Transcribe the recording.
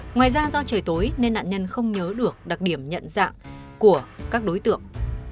ngoài ra do trời tối nên nạn nhân không nhớ được đặc điểm nhận dạng của các đối tượng